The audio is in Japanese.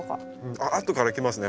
あっあとからきますね